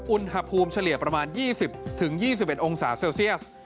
อุณหภูมิเฉลี่ยประมาณ๒๐๒๑องศาเซลเซียส